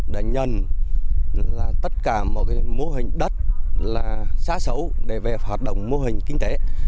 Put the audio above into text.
đã nhân tất cả mô hình đất xá xấu để về hoạt động mô hình kinh tế